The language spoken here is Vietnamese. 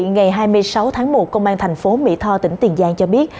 ngày hai mươi sáu tháng một công an thành phố mỹ tho tỉnh tiền giang cho biết